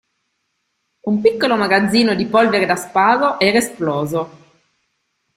Un piccolo magazzino di polvere da sparo era esploso.